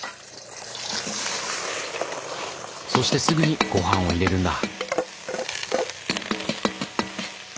そしてすぐにごはんを入れるんだ。